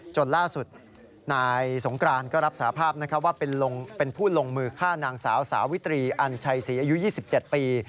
จนล่าสุดนายสงกรานก็รับสาภาพว่าเป็นผู้ลงมือฆ่านางสาวสาวิตรีอันชัยศรีอายุ๒๗ปี